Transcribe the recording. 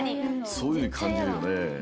そういうふうにかんじるよね。